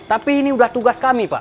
tapi ini udah tugas kami pak